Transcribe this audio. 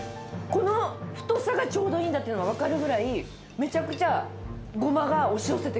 この太さがちょうどいいんだっていうのが分かるぐらいめちゃくちゃゴマが押し寄せてくる。